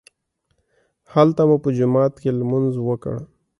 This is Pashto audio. هلته مو په جومات کې لمونځ وکړ.